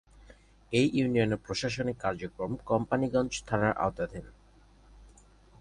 এ ইউনিয়নের প্রশাসনিক কার্যক্রম কোম্পানীগঞ্জ থানার আওতাধীন।